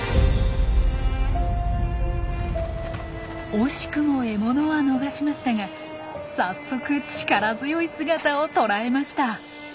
惜しくも獲物は逃しましたがさっそく力強い姿を捉えました。